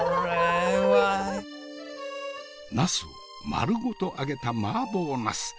ナスを丸ごと揚げた麻婆ナス。